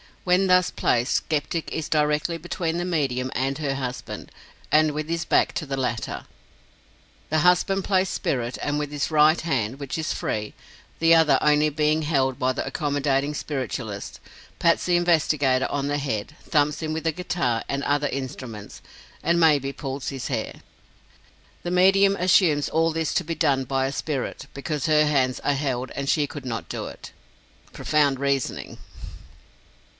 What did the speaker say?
When thus placed, skeptic is directly between the medium and her husband, and with his back to the latter. The husband plays spirit, and with his right hand which is free, the other only being held by the accommodating spiritualist pats the investigator on the head, thumps him with a guitar and other instruments, and may be pulls his hair. The medium assumes all this to be done by a spirit, because her hands are held and she could not do it! Profound reasoning!